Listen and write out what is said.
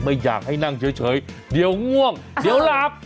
ไม่อยากให้นั่งเฉยเดี๋ยวง่วงเดี๋ยวหลับ